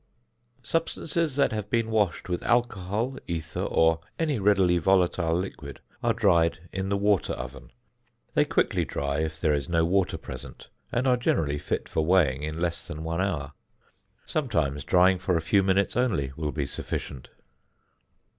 Substances that have been washed with alcohol, ether, or any readily volatile liquid are dried in the water oven. They quickly dry if there is no water present, and are generally fit for weighing in less than one hour. Sometimes drying for a few minutes only will be sufficient.